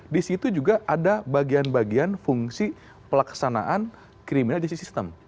disitu juga ada bagian bagian fungsi pelaksanaan kriminalitas sistem